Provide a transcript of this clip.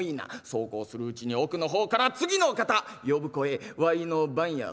そうこうするうちに奥の方から『次のお方』。呼ぶ声わいの番や。